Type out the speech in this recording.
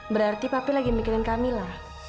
berarti papi lagi mikirin kamila